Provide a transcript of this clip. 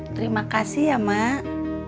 terima kasih ya mak